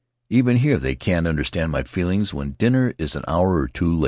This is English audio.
Even here they can't understand my feelings when dinner is an hour or two late."